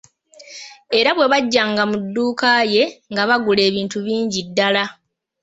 Era bwe bajjanga mu dduuka ye nga bagula ebintu bingi ddala.